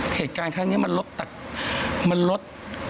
เหตุการณ์ครั้งนี้มันรถตัดมันลด